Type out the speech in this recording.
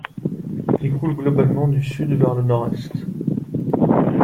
Il coule globalement du sud vers le nord-est.